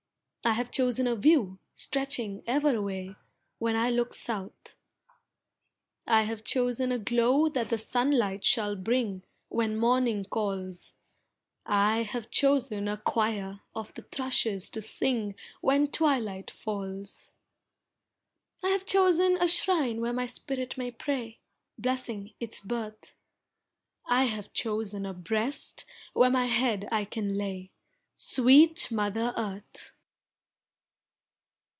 I have chosen a view, stretching ever away, When I look south. I have chosen a glow that the sunlight shall bring When morning calls. I have chosen a choir of the thrushes to sing When twilight falls. I have chosen a shrine where my spirit may pray, Blessing its birth. I have chosen a breast where my head I can lay, Sweet Mother Earth!